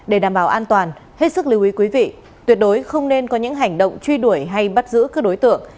để đảm bảo an toàn hết sức lưu ý quý vị tuyệt đối không nên có những hành động truy đuổi hay bắt giữ các đối tượng